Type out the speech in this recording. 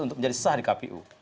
untuk menjadi sah di kpu